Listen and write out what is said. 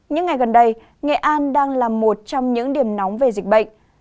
những ngày gần đây nghệ an đang là một trong những điểm nóng về dịch bệnh